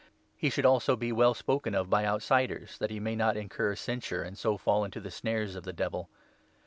He should also be well spoken of by 7 outsiders, that he may not incur censure and so fall into the snares of the Devil.